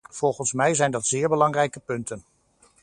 Volgens mij zijn dat zeer belangrijke punten.